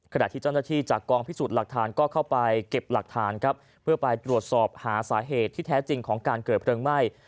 ขณะที่เจ้าหน้าที่จากกองพิสูจน์หลักฐานก็เข้าไปเก็บหลักฐานครับเพื่อไปตรวจสอบหาสาเหตุที่แท้จริงของการเกิดเพลิงไหม้